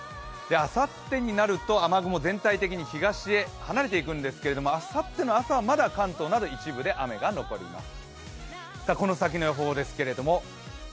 あさってになると雨雲、全体的に東へ離れていくんですけれどもあさっての朝は、まだ関東など一部で雨が残ります。